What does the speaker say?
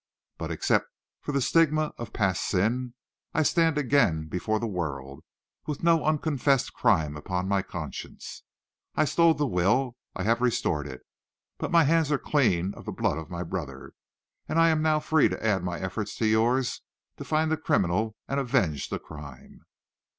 But, except for the stigma of past sin, I stand again before the world, with no unconfessed crime upon my conscience. I stole the will; I have restored it. But my hands are clean of the blood of my brother, and I am now free to add my efforts to yours to find the criminal and avenge the crime."